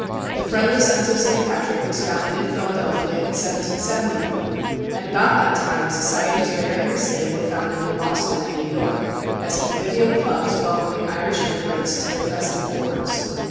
The Friendly Sons of St. Patrick was founded in Philadelphia in 1771, and about that time societies bearing this name were founded in Boston and New York, as convivial clubs welcoming Irish emigrants to their festive boards.